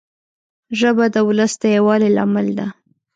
ژبه د ولس د یووالي لامل ده